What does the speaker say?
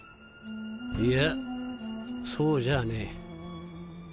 いやそうじゃねえ。